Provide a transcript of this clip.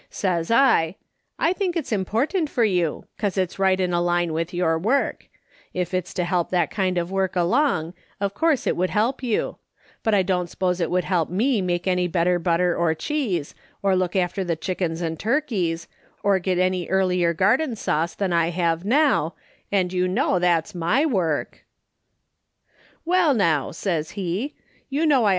" Says I :' I think it's important for you, cause it's right in a line with your work ; if it's to help that kind of work along, of course it would help you ; but I dont s'pose it would help me make any better butter or cheese, or look after the chickens and turkeys, or get any earlier garden sauce, than I have now, and you know that's my work.' c2 20 AfKS. SOLOMON SMITH LOOKING ON. "' Well, now/ says he, ' you know I.